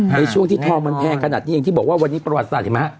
ในช่วงที่ทองมันแพงขนาดนี้เองที่บอกว่าวันนี้ประวัติศาสตร์เห็นไหมฮะ